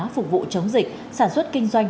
phục vụ chống dịch sản xuất kinh doanh